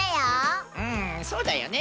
うんそうだよね。